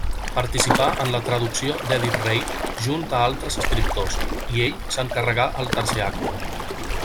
Participà en la traducció d'Èdip Rei junt altres escriptors, i ell s'encarregà el tercer acte.